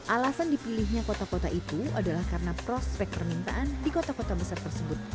alasan dipilihnya kota kota itu adalah karena prospek permintaan di kota kota besar tersebut